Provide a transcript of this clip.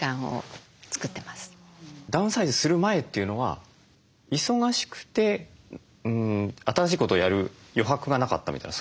ダウンサイズする前というのは忙しくて新しいことをやる余白がなかったみたいなそういうことですか？